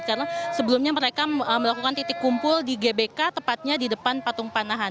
karena sebelumnya mereka melakukan titik kumpul di gbk tepatnya di depan patung panahan